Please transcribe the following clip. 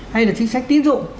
hay là chính sách tiến dụng